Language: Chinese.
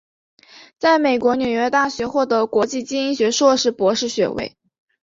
在美国纽约大学获得国际经营学硕士博士学位。